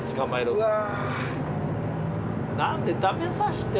うわ。